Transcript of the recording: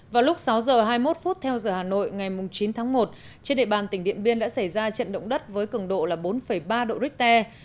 vào lúc sáu giờ hai mươi một phút theo giờ hà nội ngày chín tháng một trên địa bàn tỉnh điện biên đã xảy ra trận động đất với cường độ là bốn ba độ richter